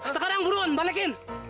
sekarang buruan balekin